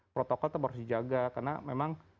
protokol tetap harus dijaga karena memang